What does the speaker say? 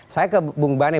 saya ke bung bane